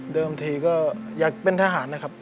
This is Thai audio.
ทีก็อยากเป็นทหารนะครับ